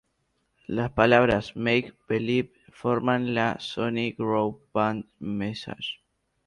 Las palabras "make.believe" forman la "Sony Group Brand Message.